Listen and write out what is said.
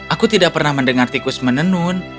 aku ingin mendengar tikus menenun